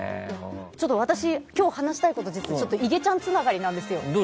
私、今日話したいこといげちゃんつながりなんですよ。